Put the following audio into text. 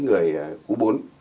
người cú bốn